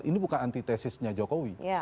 ini bukan anti tesisnya jokowi